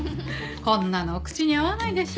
こんなのお口に合わないでしょ。